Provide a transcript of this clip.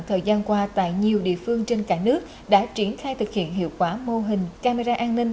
thời gian qua tại nhiều địa phương trên cả nước đã triển khai thực hiện hiệu quả mô hình camera an ninh